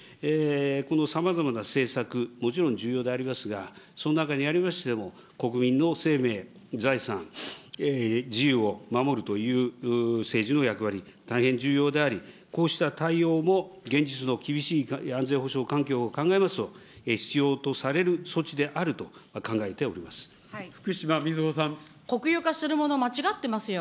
このさまざまな政策、もちろん重要でありますが、その中にありましても、国民の生命、財産、自由を守るという政治の役割、大変重要であり、こうした対応も現実の厳しい安全保障環境を考えますと、必要とさ福島みずほさん。国有化するもの、間違ってますよ。